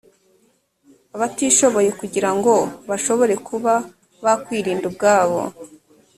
abatishoboye kugira ngo bashobore kuba bakwirinda ubwabo